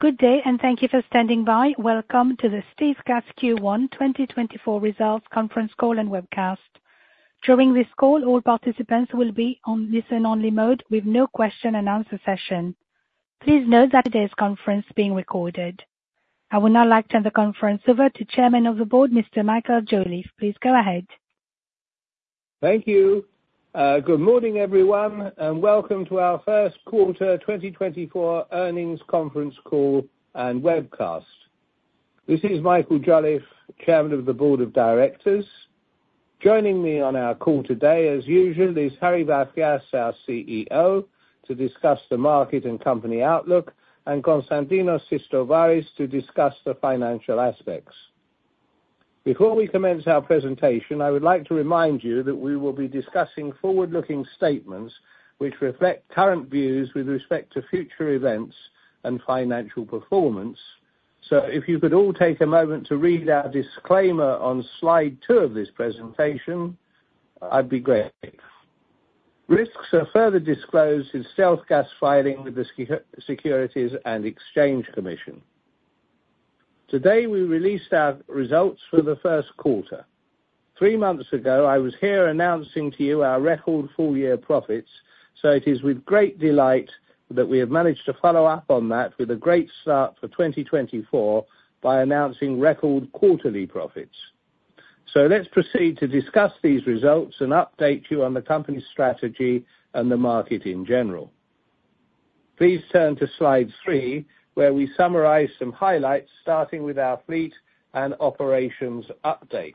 Good day, and thank you for standing by. Welcome to the StealthGas Q1 2024 Results Conference Call and Webcast. During this call, all participants will be on listen-only mode with no question and answer session. Please note that today's conference is being recorded. I would now like to turn the conference over to Chairman of the Board, Mr. Michael Jolliffe. Please go ahead. Thank you. Good morning, everyone, and welcome to our first quarter 2024 earnings conference call and webcast. This is Michael Jolliffe, Chairman of the Board of Directors. Joining me on our call today, as usual, is Harry Vafias, our CEO, to discuss the market and company outlook, and Konstantinos Sistovaris to discuss the financial aspects. Before we commence our presentation, I would like to remind you that we will be discussing forward-looking statements which reflect current views with respect to future events and financial performance. So if you could all take a moment to read our disclaimer on slide two of this presentation, that'd be great. Risks are further disclosed in StealthGas' filing with the Securities and Exchange Commission. Today, we released our results for the first quarter. Three months ago, I was here announcing to you our record full year profits, so it is with great delight that we have managed to follow up on that with a great start for 2024 by announcing record quarterly profits. So let's proceed to discuss these results and update you on the company's strategy and the market in general. Please turn to Slide three, where we summarize some highlights, starting with our fleet and operations update.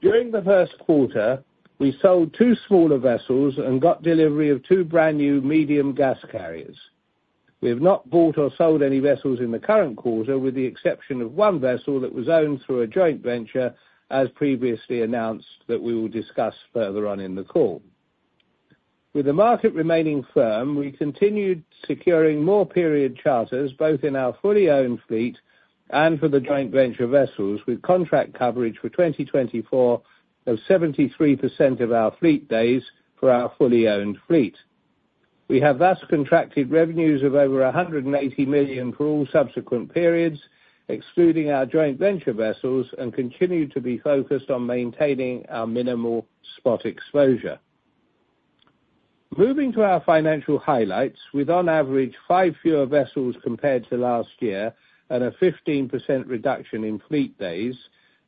During the first quarter, we sold two smaller vessels and got delivery of two brand-new medium gas carriers. We have not bought or sold any vessels in the current quarter, with the exception of one vessel that was owned through a joint venture, as previously announced, that we will discuss further on in the call. With the market remaining firm, we continued securing more period charters, both in our fully owned fleet and for the joint venture vessels, with contract coverage for 2024 of 73% of our fleet days for our fully owned fleet. We have thus contracted revenues of over $180 million for all subsequent periods, excluding our joint venture vessels, and continue to be focused on maintaining our minimal spot exposure. Moving to our financial highlights, with on average, five fewer vessels compared to last year and a 15% reduction in fleet days,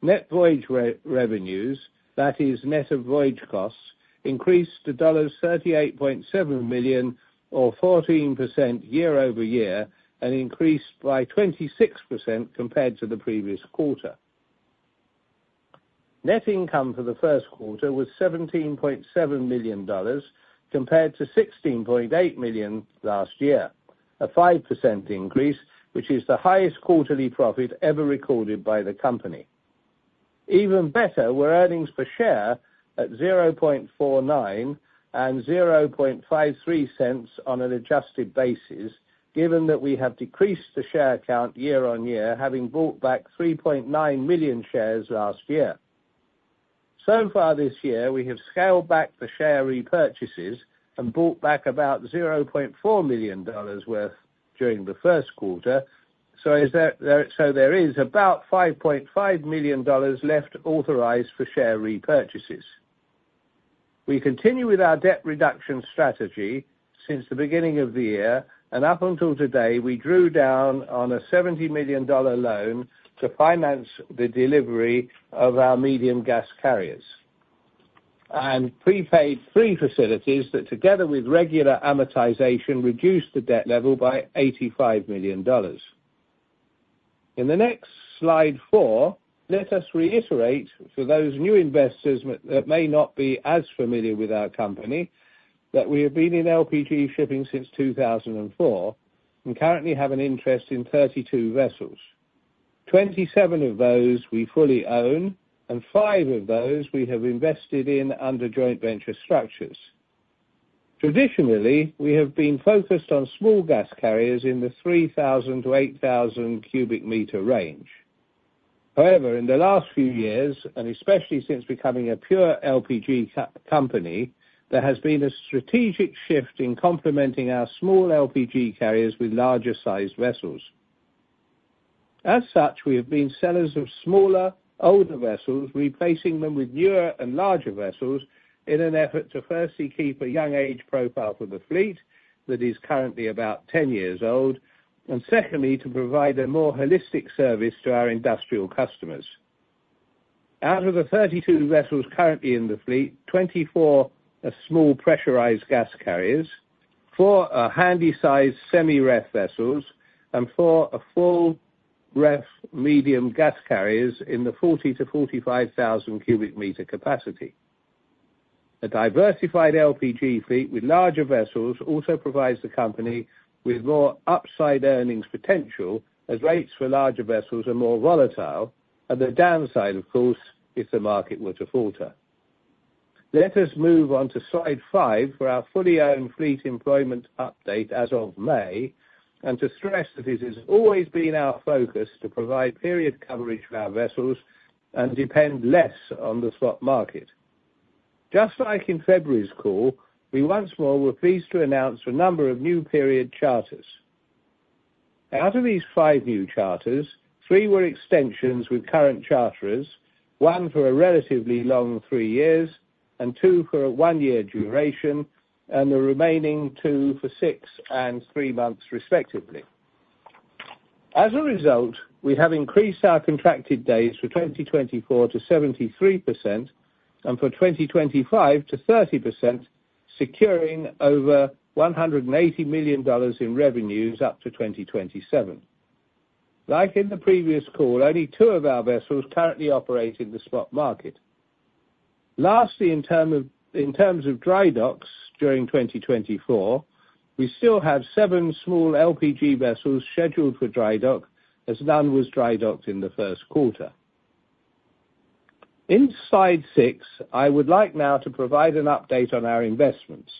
net voyage revenues, that is net of voyage costs, increased to $38.7 million, or 14% year-over-year, and increased by 26% compared to the previous quarter. Net income for the first quarter was $17.7 million, compared to $16.8 million last year, a 5% increase, which is the highest quarterly profit ever recorded by the company. Even better, were earnings per share at $0.49 and $0.53 cents on an adjusted basis, given that we have decreased the share count year-over-year, having bought back 3.9 million shares last year. So far this year, we have scaled back the share repurchases and bought back about $0.4 million worth during the first quarter, so there is about $5.5 million left authorized for share repurchases. We continue with our debt reduction strategy since the beginning of the year, and up until today, we drew down on a $70 million loan to finance the delivery of our medium gas carriers, and prepaid three facilities that, together with regular amortization, reduced the debt level by $85 million. In the next slide, four, let us reiterate for those new investors that may not be as familiar with our company, that we have been in LPG shipping since 2004 and currently have an interest in 32 vessels. Twenty-seven of those we fully own, and five of those we have invested in under joint venture structures. Traditionally, we have been focused on small gas carriers in the 3,000-8,000 cubic meter range. However, in the last few years, and especially since becoming a pure LPG company, there has been a strategic shift in complementing our small LPG carriers with larger-sized vessels. As such, we have been sellers of smaller, older vessels, replacing them with newer and larger vessels in an effort to firstly keep a young age profile for the fleet that is currently about 10 years old. And secondly, to provide a more holistic service to our industrial customers. Out of the 32 vessels currently in the fleet, 24 are small pressurized gas carriers, four are handy-sized semi-ref vessels, and four are full ref medium gas carriers in the 40,000-45,000 cubic meter capacity. A diversified LPG fleet with larger vessels also provides the company with more upside earnings potential, as rates for larger vessels are more volatile, and the downside, of course, if the market were to falter. Let us move on to slide five for our fully owned fleet employment update as of May, and to stress that it has always been our focus to provide period coverage for our vessels and depend less on the spot market. Just like in February's call, we once more were pleased to announce a number of new period charters. Out of these five new charters, three were extensions with current charterers, one for a relatively long three years and two for a one-year duration, and the remaining two for six and three months, respectively. As a result, we have increased our contracted days for 2024 to 73% and for 2025 to 30%, securing over $180 million in revenues up to 2027. Like in the previous call, only two of our vessels currently operate in the spot market. Lastly, in terms of dry docks during 2024, we still have seven small LPG vessels scheduled for dry dock, as none was dry docked in the first quarter. In Slide six, I would like now to provide an update on our investments.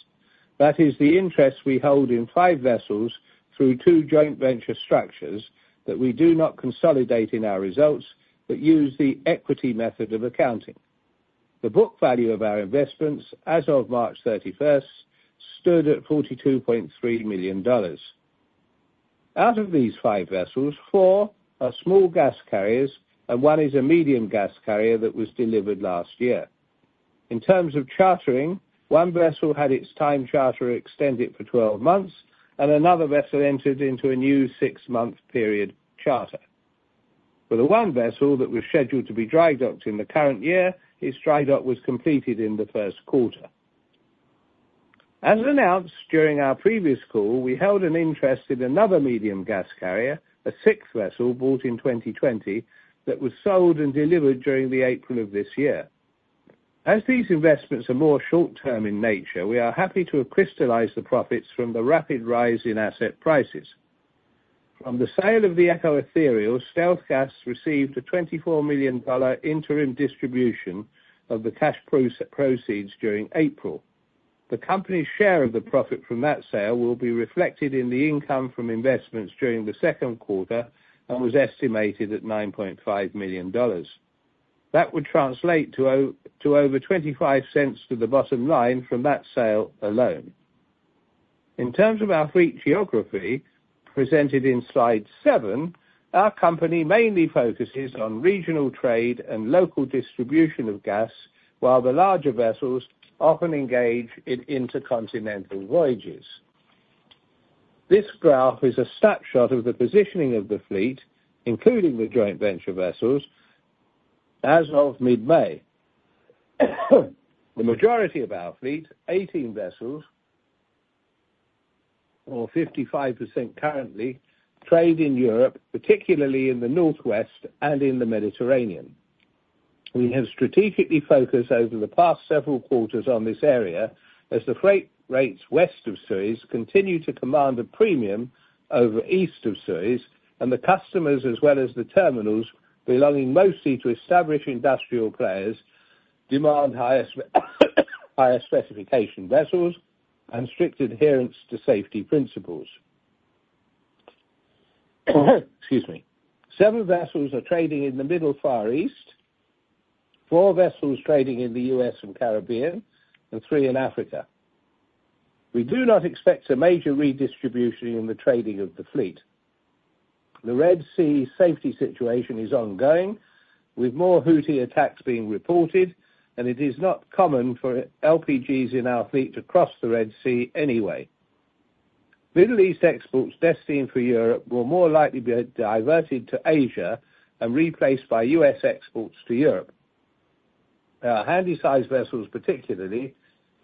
That is the interest we hold in five vessels through two joint venture structures that we do not consolidate in our results, but use the equity method of accounting. The book value of our investments as of March 31, stood at $42.3 million. Out of these five vessels, four are small gas carriers and one is a medium gas carrier that was delivered last year. In terms of chartering, one vessel had its time charter extended for 12 months, and another vessel entered into a new six-month period charter. For the one vessel that was scheduled to be dry docked in the current year, its dry dock was completed in the first quarter. As announced during our previous call, we held an interest in another medium gas carrier, a sixth vessel, bought in 2020, that was sold and delivered during the April of this year. As these investments are more short term in nature, we are happy to have crystallized the profits from the rapid rise in asset prices. From the sale of the Eco Ethereal, StealthGas received a $24 million interim distribution of the cash proceeds during April. The company's share of the profit from that sale will be reflected in the income from investments during the second quarter and was estimated at $9.5 million. That would translate to over $0.25 to the bottom line from that sale alone. In terms of our fleet geography, presented in slide seven our company mainly focuses on regional trade and local distribution of gas, while the larger vessels often engage in intercontinental voyages. This graph is a snapshot of the positioning of the fleet, including the joint venture vessels, as of mid-May. The majority of our fleet, 18 vessels or 55% currently, trade in Europe, particularly in the Northwest and in the Mediterranean. We have strategically focused over the past several quarters on this area, as the freight rates west of Suez continue to command a premium over east of Suez, and the customers, as well as the terminals, belonging mostly to established industrial players, demand higher specification vessels and strict adherence to safety principles. Excuse me. Seven vessels are trading in the Middle East and Far East, four vessels trading in the U.S. and Caribbean, and three in Africa. We do not expect a major redistribution in the trading of the fleet. The Red Sea safety situation is ongoing, with more Houthi attacks being reported, and it is not common for LPGs in our fleet to cross the Red Sea anyway. Middle East exports destined for Europe will more likely be diverted to Asia and replaced by U.S. exports to Europe. Our Handysize vessels, particularly,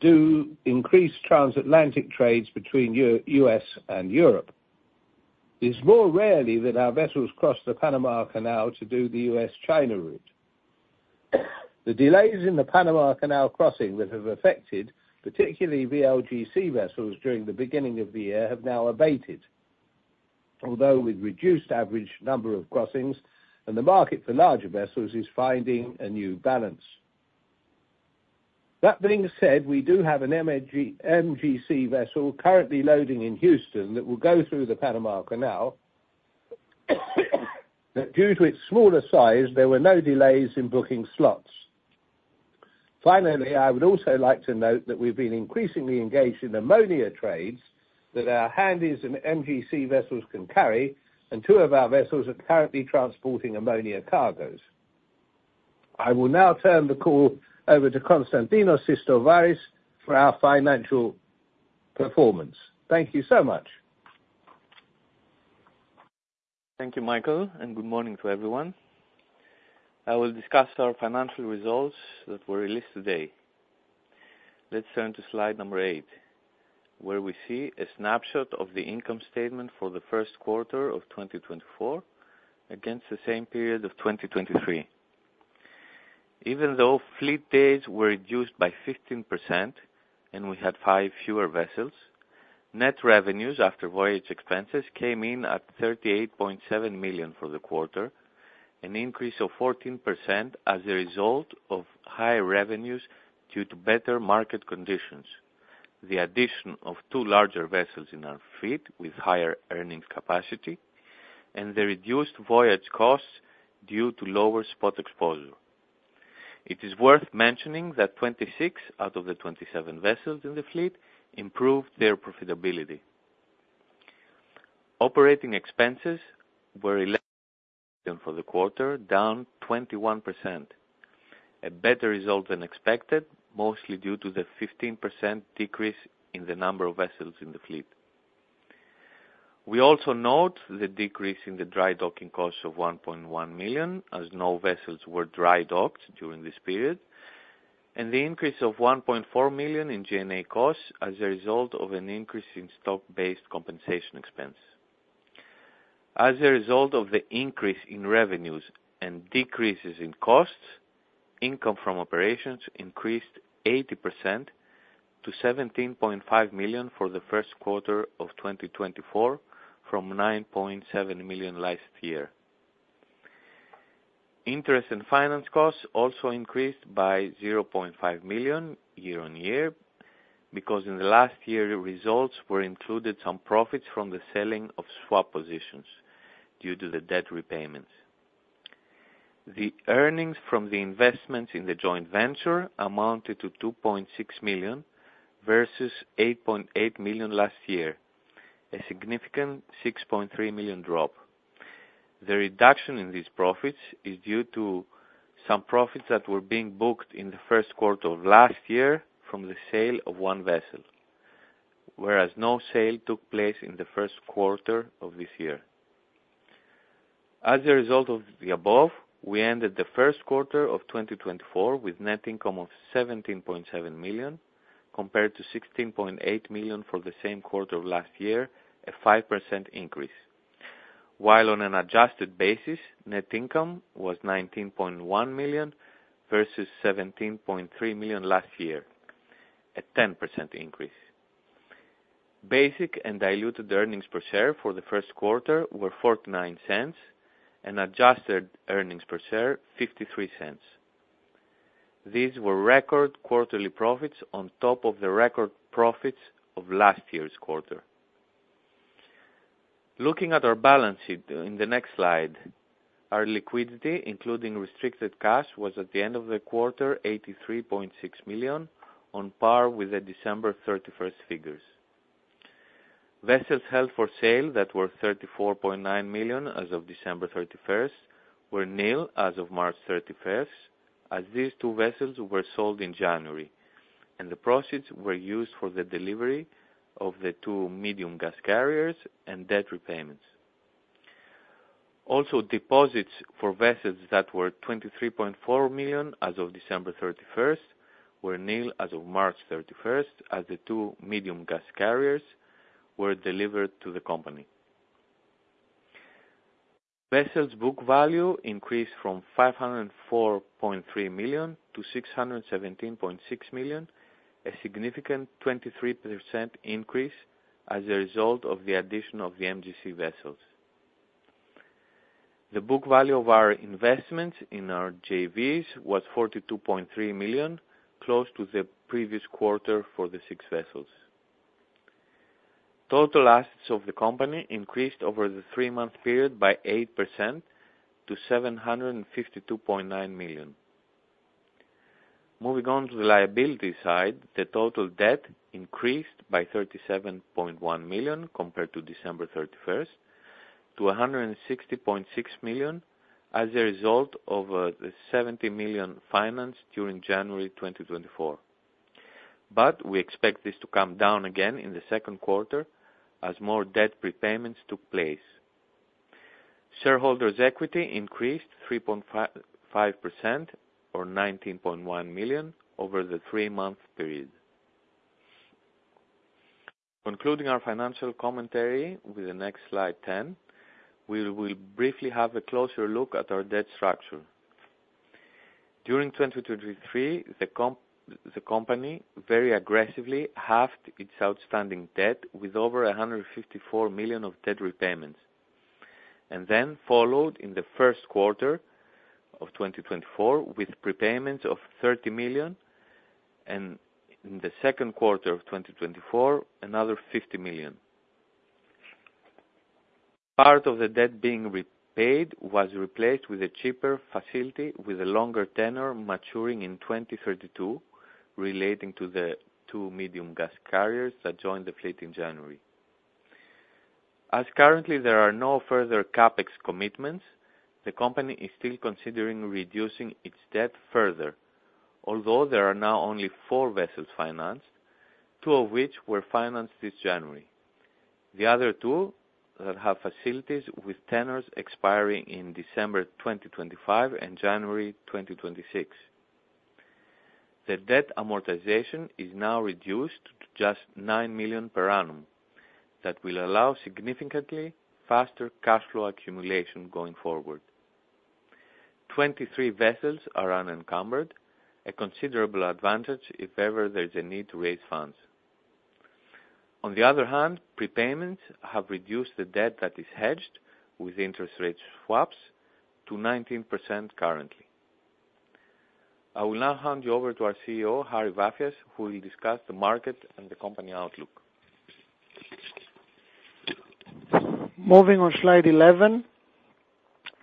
do increase transatlantic trades between U.S. and Europe. It's more rarely that our vessels cross the Panama Canal to do the U.S.-China route. The delays in the Panama Canal crossing that have affected, particularly VLGC vessels during the beginning of the year, have now abated. Although with reduced average number of crossings and the market for larger vessels is finding a new balance. That being said, we do have an MGC vessel currently loading in Houston that will go through the Panama Canal, but due to its smaller size, there were no delays in booking slots. Finally, I would also like to note that we've been increasingly engaged in ammonia trades that our Handysize and MGC vessels can carry, and two of our vessels are currently transporting ammonia cargos. I will now turn the call over to Konstantinos Sistovaris for our financial performance. Thank you so much. Thank you, Michael, and good morning to everyone. I will discuss our financial results that were released today. Let's turn to slide number eight, where we see a snapshot of the income statement for the first quarter of 2024 against the same period of 2023. Even though fleet days were reduced by 15% and we had five fewer vessels, net revenues after voyage expenses came in at $38.7 million for the quarter, an increase of 14% as a result of higher revenues due to better market conditions.... the addition of two larger vessels in our fleet with higher earnings capacity and the reduced voyage costs due to lower spot exposure. It is worth mentioning that 26 out of the 27 vessels in the fleet improved their profitability. Operating expenses were $11 million for the quarter, down 21%, a better result than expected, mostly due to the 15% decrease in the number of vessels in the fleet. We also note the decrease in the dry docking costs of $1.1 million, as no vessels were dry docked during this period, and the increase of $1.4 million in G&A costs as a result of an increase in stock-based compensation expense. As a result of the increase in revenues and decreases in costs, income from operations increased 80% to $17.5 million for the first quarter of 2024, from $9.7 million last year. Interest and finance costs also increased by $0.5 million year-on-year, because in the last year, results were included some profits from the selling of swap positions due to the debt repayments. The earnings from the investments in the joint venture amounted to $2.6 million versus $8.8 million last year, a significant $6.3 million drop. The reduction in these profits is due to some profits that were being booked in the first quarter of last year from the sale of one vessel, whereas no sale took place in the first quarter of this year. As a result of the above, we ended the first quarter of 2024 with net income of $17.7 million, compared to $16.8 million for the same quarter of last year, a 5% increase. While on an adjusted basis, net income was $19.1 million versus $17.3 million last year, a 10% increase. Basic and diluted earnings per share for the first quarter were $0.49 and adjusted earnings per share, $0.53. These were record quarterly profits on top of the record profits of last year's quarter. Looking at our balance sheet in the next slide, our liquidity, including restricted cash, was, at the end of the quarter, $83.6 million, on par with the December 31 figures. Vessels held for sale that were $34.9 million as of December 31, were nil as of March 31, as these two vessels were sold in January, and the proceeds were used for the delivery of the two medium gas carriers and debt repayments. Also, deposits for vessels that were $23.4 million as of December 31, were nil as of March 31, as the two medium gas carriers were delivered to the company. Vessels book value increased from $504.3 million-$617.6 million, a significant 23% increase as a result of the addition of the MGC vessels. The book value of our investments in our JVs was $42.3 million, close to the previous quarter for the six vessels. Total assets of the company increased over the three-month period by 8% to $752.9 million. Moving on to the liability side, the total debt increased by $37.1 million compared to December 31, to $160.6 million as a result of the $70 million financed during January 2024. But we expect this to come down again in the second quarter as more debt prepayments took place. Shareholders' equity increased 3.5%, or $19.1 million, over the three-month period. Concluding our financial commentary with the next Slide 10, we will briefly have a closer look at our debt structure. During 2023, the company very aggressively halved its outstanding debt with over $154 million of debt repayments, and then followed in the first quarter of 2024 with prepayments of $30 million, and in the second quarter of 2024, another $50 million. Part of the debt being repaid was replaced with a cheaper facility with a longer tenor maturing in 2032, relating to the two medium gas carriers that joined the fleet in January. As currently, there are no further CapEx commitments, the company is still considering reducing its debt further, although there are now only four vessels financed, two of which were financed this January. The other two that have facilities with tenors expiring in December 2025 and January 2026. The debt amortization is now reduced to just $9 million per annum. That will allow significantly faster cash flow accumulation going forward. 23 vessels are unencumbered, a considerable advantage if ever there is a need to raise funds. On the other hand, prepayments have reduced the debt that is hedged with interest rate swaps to 19% currently... I will now hand you over to our CEO, Harry Vafias, who will discuss the market and the company outlook. Moving on Slide 11,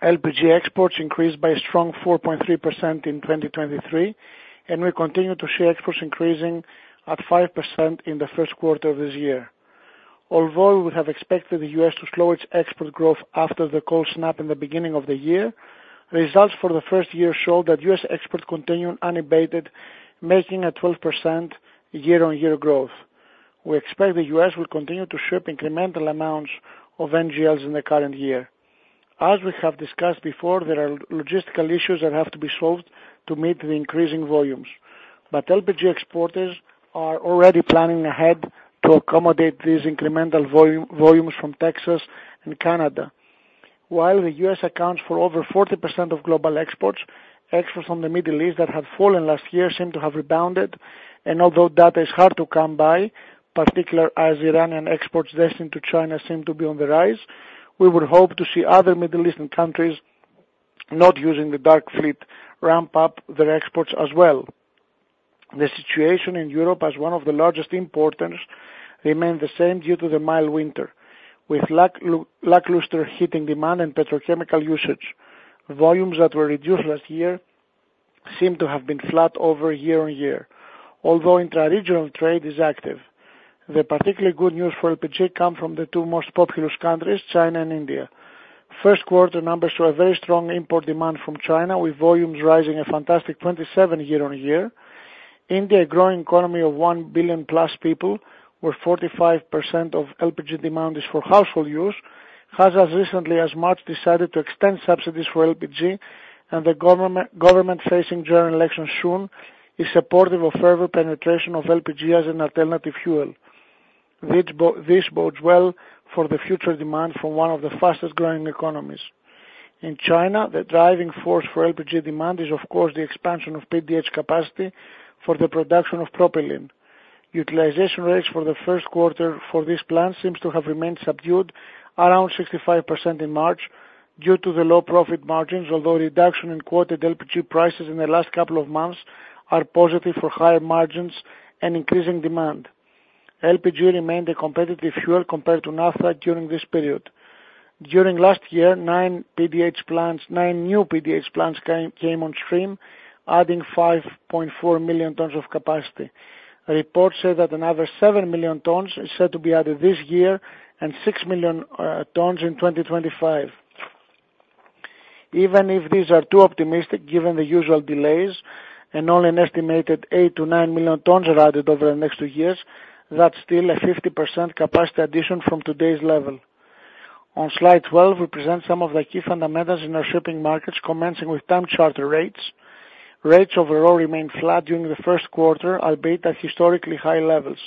LPG exports increased by a strong 4.3% in 2023, and we continue to see exports increasing at 5% in the first quarter of this year. Although we have expected the U.S. to slow its export growth after the cold snap in the beginning of the year, results for the first year show that U.S. exports continue unabated, making a 12% year-on-year growth. We expect the U.S. will continue to ship incremental amounts of NGLs in the current year. As we have discussed before, there are logistical issues that have to be solved to meet the increasing volumes, but LPG exporters are already planning ahead to accommodate these incremental volumes from Texas and Canada. While the U.S. accounts for over 40% of global exports, exports from the Middle East that had fallen last year seem to have rebounded, and although data is hard to come by, particularly as Iranian exports destined to China seem to be on the rise, we would hope to see other Middle Eastern countries not using the dark fleet ramp up their exports as well. The situation in Europe, as one of the largest importers, remained the same due to the mild winter, with lackluster heating demand and petrochemical usage. Volumes that were reduced last year seem to have been flat year-over-year, although intra-regional trade is active. The particularly good news for LPG come from the two most populous countries, China and India. First quarter numbers show a very strong import demand from China, with volumes rising a fantastic 27 year-over-year. India, a growing economy of 1 billion+ people, where 45% of LPG demand is for household use, has, as recently as March, decided to extend subsidies for LPG, and the government facing general election soon is supportive of further penetration of LPG as an alternative fuel. This bodes well for the future demand for one of the fastest growing economies. In China, the driving force for LPG demand is, of course, the expansion of PDH capacity for the production of propylene. Utilization rates for the first quarter for this plant seems to have remained subdued around 65% in March due to the low profit margins, although reduction in quoted LPG prices in the last couple of months are positive for higher margins and increasing demand. LPG remained a competitive fuel compared to naphtha during this period. During last year, nine PDH plants, nine new PDH plants came on stream, adding 5.4 million tons of capacity. Reports say that another seven million tons is set to be added this year and six million tons in 2025. Even if these are too optimistic, given the usual delays and only an estimated 8-9 million tons are added over the next two years, that's still a 50% capacity addition from today's level. On Slide 12, we present some of the key fundamentals in our shipping markets, commencing with time charter rates. Rates overall remained flat during the first quarter, albeit at historically high levels,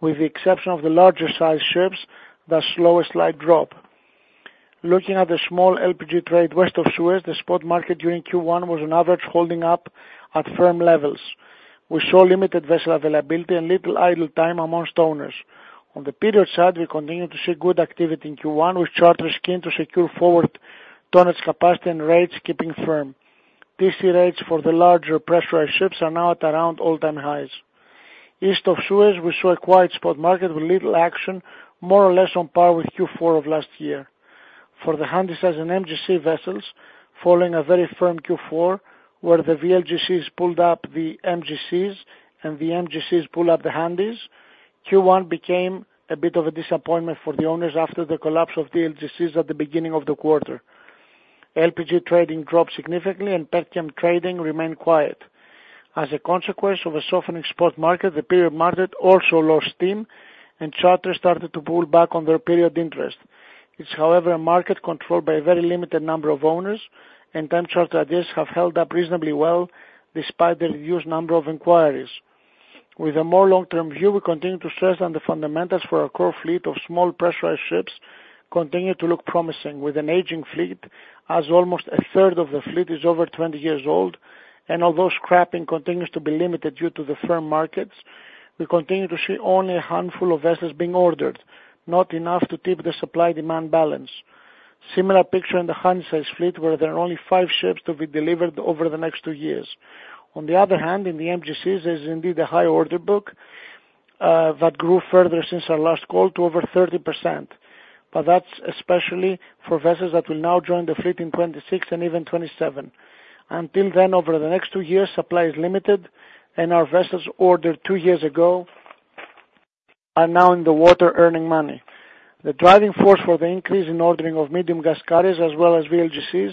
with the exception of the larger sized ships, that saw a slight drop. Looking at the small LPG trade west of Suez, the spot market during Q1 was on average holding up at firm levels. We saw limited vessel availability and little idle time amongst owners. On the period side, we continued to see good activity in Q1, with charterers keen to secure forward tonnage capacity and rates keeping firm. TC rates for the larger pressurized ships are now at around all-time highs. East of Suez we saw a quiet spot market with little action, more or less on par with Q4 of last year. For the Handysize and MGC vessels, following a very firm Q4, where the VLGCs pulled up the MGCs, and the MGCs pull up the Handys, Q1 became a bit of a disappointment for the owners after the collapse of VLGCs at the beginning of the quarter. LPG trading dropped significantly and petchem trading remained quiet. As a consequence of a softening spot market, the period market also lost steam and charters started to pull back on their period interest. It's, however, a market controlled by a very limited number of owners, and time charter rates have held up reasonably well despite the reduced number of inquiries. With a more long-term view, we continue to stress on the fundamentals for our core fleet of small pressurized ships continue to look promising, with an aging fleet as almost a third of the fleet is over 20 years old. Although scrapping continues to be limited due to the firm markets, we continue to see only a handful of vessels being ordered, not enough to tip the supply-demand balance. Similar picture in the Handysize fleet, where there are only five ships to be delivered over the next two years. On the other hand, in the MGCs, there's indeed a high order book that grew further since our last call to over 30%, but that's especially for vessels that will now join the fleet in 2026 and even 2027. Until then, over the next two years, supply is limited and our vessels ordered two years ago are now in the water earning money. The driving force for the increase in ordering of medium gas carriers, as well as VLGCs,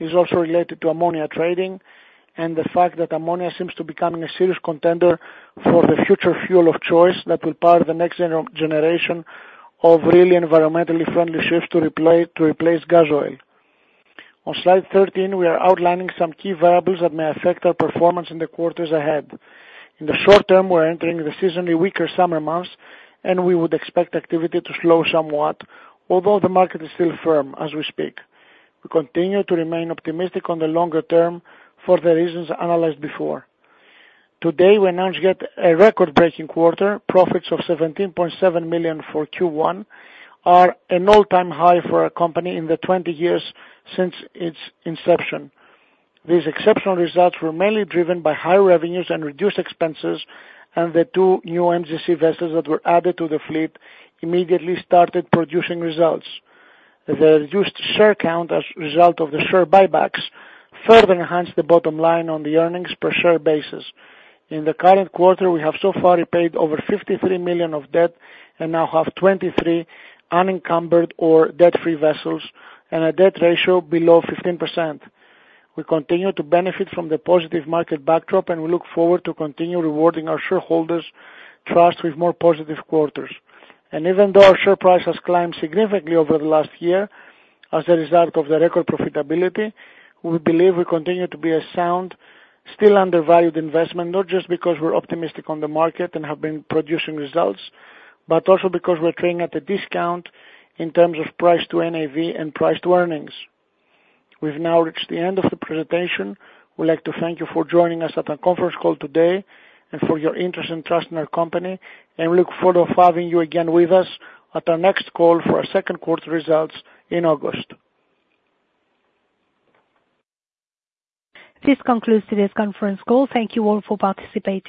is also related to ammonia trading and the fact that ammonia seems to becoming a serious contender for the future fuel of choice that will power the next generation of really environmentally friendly ships to replace gas oil. On Slide 13, we are outlining some key variables that may affect our performance in the quarters ahead. In the short term, we're entering the seasonally weaker summer months, and we would expect activity to slow somewhat, although the market is still firm as we speak. We continue to remain optimistic on the longer term for the reasons analyzed before. Today, we announced yet a record-breaking quarter. Profits of $17.7 million for Q1 are an all-time high for our company in the 20 years since its inception. These exceptional results were mainly driven by higher revenues and reduced expenses, and the two new MGC vessels that were added to the fleet immediately started producing results. The reduced share count as result of the share buybacks further enhanced the bottom line on the earnings per share basis. In the current quarter, we have so far repaid over $53 million of debt and now have 23 unencumbered or debt-free vessels and a debt ratio below 15%. We continue to benefit from the positive market backdrop, and we look forward to continue rewarding our shareholders' trust with more positive quarters. Even though our share price has climbed significantly over the last year as a result of the record profitability, we believe we continue to be a sound, still undervalued investment, not just because we're optimistic on the market and have been producing results, but also because we're trading at a discount in terms of price to NAV and price to earnings. We've now reached the end of the presentation. We'd like to thank you for joining us at our conference call today and for your interest and trust in our company, and we look forward of having you again with us at our next call for our second quarter results in August. This concludes today's conference call. Thank you all for participating.